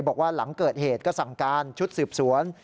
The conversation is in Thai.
บอกว่าหลังเกิดเหตุก็สั่งการชุดสืบสวน